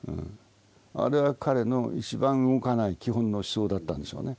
あれは彼の一番動かない基本の思想だったでしょうね。